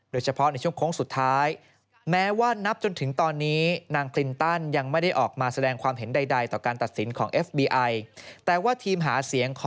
โดยเฉพาะในช่วงโค้งสุดท้าย